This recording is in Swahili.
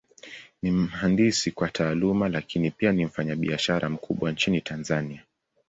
Ni mhandisi kwa Taaluma, Lakini pia ni mfanyabiashara mkubwa Nchini Tanzania.